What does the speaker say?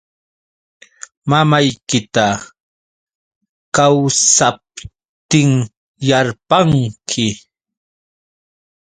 Mamaykita kawsaptinyarpanki.